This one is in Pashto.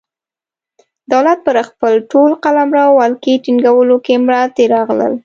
دولت پر خپل ټول قلمرو ولکې ټینګولو کې پاتې راغلی.